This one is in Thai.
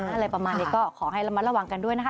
อะไรประมาณนี้ก็ขอให้ระมัดระวังกันด้วยนะคะ